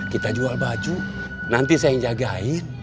kita jual baju nanti saya yang jagain